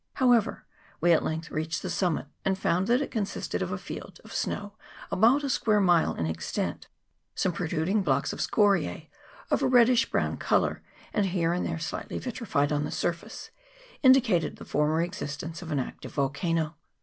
However, we at length reached the summit, and found that it consisted of a field of snow about a square mile in extent. Some pro truding blocks of scoriae, of a reddish brown colour* and here and there slightly vitrified on the surface, in CHAP. VII.] OF MOUNT EGMONT. 157 dicated the former existence of an active volcano.